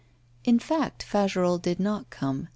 In fact, Fagerolles did not come.